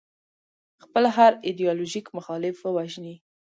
خپل هر ایدیالوژیک مخالف ووژني.